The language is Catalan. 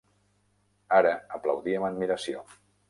Ara aplaudia amb admiració.